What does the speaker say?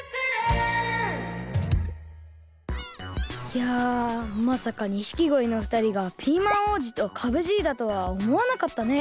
いやまさか錦鯉のふたりがピーマン王子とかぶじいだとはおもわなかったね。